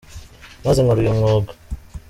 maze nkora uyu mwuga.